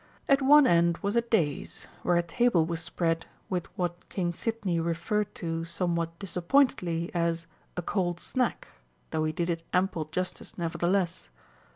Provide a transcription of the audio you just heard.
At one end was a dais, where a table was spread with what King Sidney referred to somewhat disappointedly as "a cold snack," though he did it ample justice nevertheless.